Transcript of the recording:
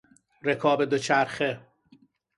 رکاب دوچرخه